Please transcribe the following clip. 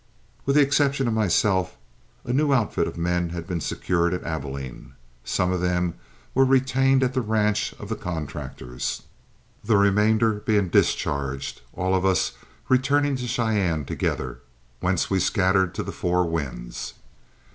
With the exception of myself, a new outfit of men had been secured at Abilene. Some of them were retained at the ranch of the contractors, the remainder being discharged, all of us returning to Cheyenne together, whence we scattered to the four winds.